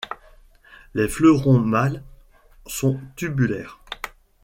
Les fleurons mâles sont tubulaires.